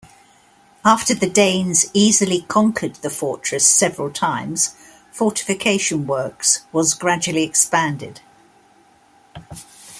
After the Danes easily conquered the fortress several times, fortification works was gradually expanded.